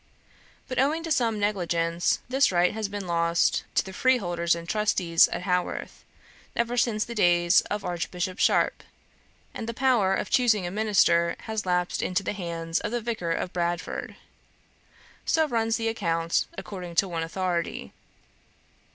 But owing to some negligence, this right has been lost to the freeholders and trustees at Haworth, ever since the days of Archbishop Sharp; and the power of choosing a minister has lapsed into the hands of the Vicar of Bradford. So runs the account, according to one authority.